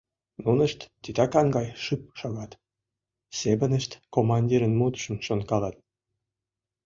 Нунышт титакан гай шып шогат, семынышт командирын мутшым шонкалат.